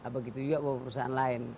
begitu juga perusahaan lain